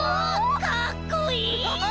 かっこいい！